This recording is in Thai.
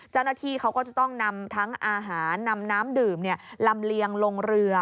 เจ้าหน้าที่เขาก็จะต้องนำทั้งอาหารนำน้ำดื่มลำเลียงลงเรือ